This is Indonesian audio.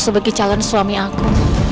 sebagai calon suami aku